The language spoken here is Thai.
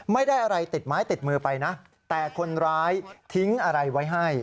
ไม่ได้อะไรติดไม้ติดมือไปนะแต่คนร้ายทิ้งอะไรไว้ให้